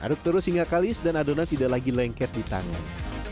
aduk terus hingga kalis dan adonan tidak lagi lengket di tangan